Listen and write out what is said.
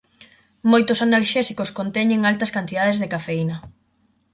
Moitos analxésicos conteñen altas cantidades de cafeína.